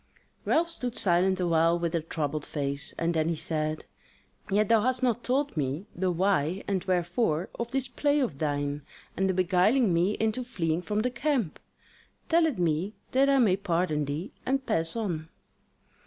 Ralph stood silent awhile with a troubled face; and then he said: "Yet thou hast not told me the why and wherefore of this play of thine, and the beguiling me into fleeing from the camp. Tell it me that I may pardon thee and pass on."